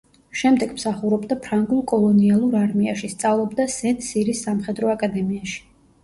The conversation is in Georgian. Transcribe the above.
შემდეგ მსახურობდა ფრანგულ კოლონიალურ არმიაში, სწავლობდა სენ-სირის სამხედრო აკადემიაში.